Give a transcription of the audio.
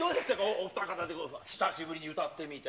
お二方というか、久しぶりに歌ってみて。